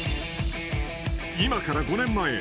［今から５年前。